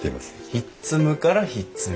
ひっつむからひっつみ。